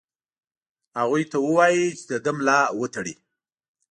هغوی ته ووايی چې د ده ملا وتړي.